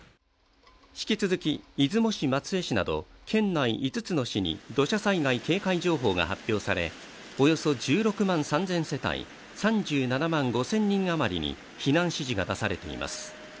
引き続き出雲市、松江市など県内５つの市に土砂災害警戒情報が発表されおよそ１６万３０００世帯３７万５０００人余りに避難指示が出されています。